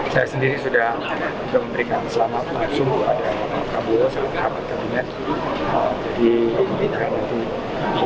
dan sungguh ada prabowo sangat berhapat keberanian di mitra itu